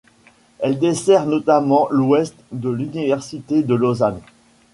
Elle dessert notamment l'ouest de l'université de Lausanne.